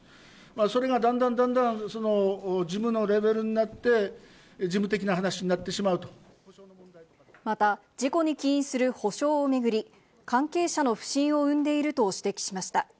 それがだんだんだんだん事務のレベルになって、事務的な話になっまた、事故に起因する補償を巡り、関係者の不信を生んでいると指摘しました。